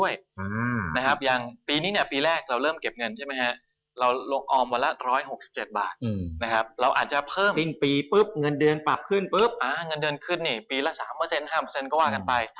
ใช่ครับอย่างวันนี้๑๖๗บาทปีหน้าอาจจะ๑๗๕บาทเพิ่มอีก๕